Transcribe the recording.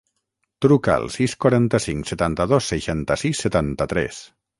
Truca al sis, quaranta-cinc, setanta-dos, seixanta-sis, setanta-tres.